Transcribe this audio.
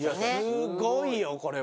すごいよこれは。